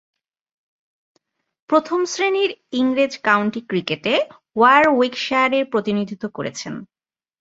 প্রথম-শ্রেণীর ইংরেজ কাউন্টি ক্রিকেটে ওয়ারউইকশায়ারের প্রতিনিধিত্ব করেছেন।